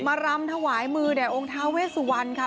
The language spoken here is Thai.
มารำถวายมือในองค์ทาเวสวรรค่ะ